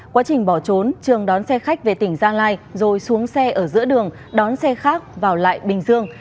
quá trình bỏ trốn trường đón xe khách về tỉnh gia lai rồi xuống xe ở giữa đường đón xe khác vào lại bình dương